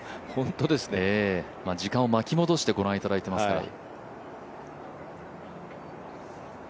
時間を巻き戻してご覧いただいてますから。